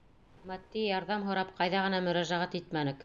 Матди ярҙам һорап ҡайҙа ғына мөрәжәғәт итмәнек!